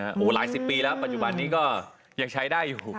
โอ้โหหลายสิบปีแล้วปัจจุบันนี้ก็ยังใช้ได้อยู่